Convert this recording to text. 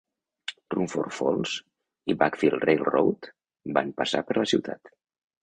Rumford Falls i Buckfield Railroad van passar per la ciutat.